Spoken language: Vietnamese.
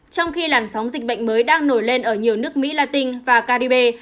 trong khi làn sóng dịch bệnh mới đang nổi lên ở nhiều nước mỹ latin và caribe